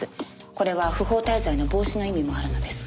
これは不法滞在の防止の意味もあるのですが。